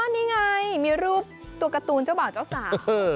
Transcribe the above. นี่ไงมีรูปตัวการ์ตูนเจ้าบ่าวเจ้าสาว